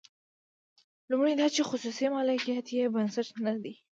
لومړی دا چې خصوصي مالکیت یې بنسټ نه دی.